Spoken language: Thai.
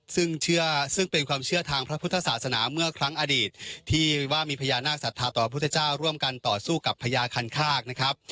ซึ่งเชื่อซึ่งเป็นความเชื่อทางพระพุทธศาสนาเมื่อครั้งอดีตที่ว่ามีพญานาคศรัทธาต่อพุทธเจ้าร่วมกันต่อสู้กับพญาคันคากนะครับ